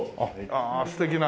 ああ素敵な。